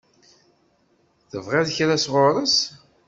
Tebɣiḍ kra sɣur-s?